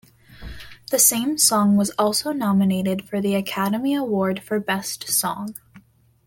The same song was also nominated for the Academy Award for Best Song.